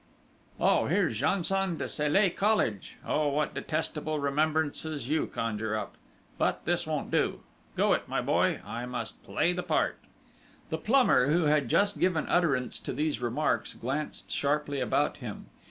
"Oh, here's Janson de Sailly College!... Oh, what detestable remembrances you conjure up!... But this won't do!... Go it, my boy!... I must play the part!" The plumber, who had just given utterance to these remarks, glanced sharply about him.